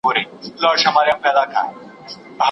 مني کې پاڼې له ونو راغورځيږي.